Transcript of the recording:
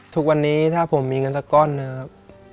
ทุกวันนี้ถ้าผมมีเงินสักก้อนหนึ่งครับ